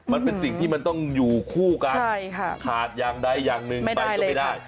มันเป็นสิ่งที่มันต้องอยู่คู่กันขาดอย่างใดอย่างหนึ่งไปก็ไม่ได้